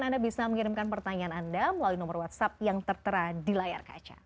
anda bisa mengirimkan pertanyaan anda melalui nomor whatsapp yang tertera di layar kaca